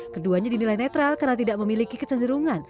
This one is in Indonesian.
keduanya dinilai netral karena tidak memiliki kecenderungan